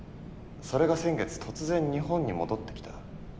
それが先月突然日本に戻ってきた。